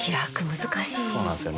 そうなんですよね。